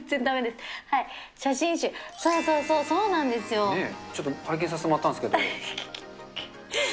ねえ、ちょっと拝見させてもらったんですけど。